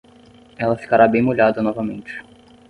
Ela ficará bem molhada novamente.